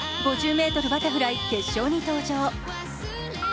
５０ｍバタフライ決勝に登場。